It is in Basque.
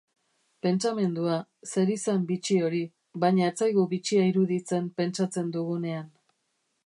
Pentsamendua, zerizan bitxi hori, baina ez zaigu bitxia iruditzen pentsatzen dugunean.